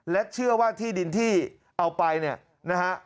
และเชื่อว่าที่ดินที่เอาไปเนี่ยนะฮะ